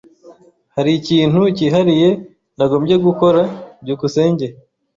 Hari ikintu cyihariye nagombye gukora? byukusenge